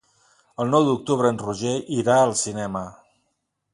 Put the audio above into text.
El nou d'octubre en Roger irà al cinema.